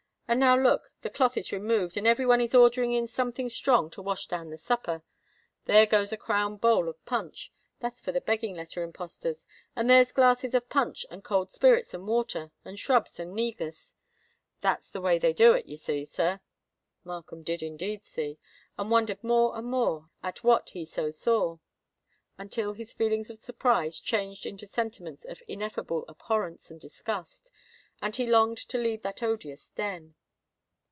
And now look—the cloth is removed, and every one is ordering in something strong to wash down the supper. There goes a crown bowl of punch—that's for the begging letter impostors: and there's glasses of punch, and cold spirits and water, and shrub, and negus. That's the way they do it, you see, sir." Markham did indeed see, and wondered more and more at what he so saw—until his feelings of surprise changed into sentiments of ineffable abhorrence and disgust; and he longed to leave that odious den.